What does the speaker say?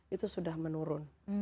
itu sudah menurun